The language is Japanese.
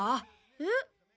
えっ？